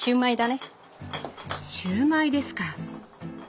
シューマイですか。